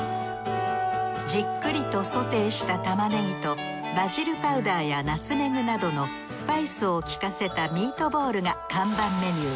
じっくりとソテーしたタマネギとバジルパウダーやナツメグなどのスパイスを効かせたミートボールが看板メニュー。